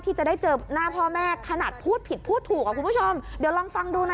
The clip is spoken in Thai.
ที่จะได้เจอหน้าพ่อแม่ขนาดพูดผิดพูดถูกอ่ะคุณผู้ชมเดี๋ยวลองฟังดูนะ